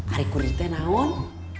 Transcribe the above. aku kurirnya sekarang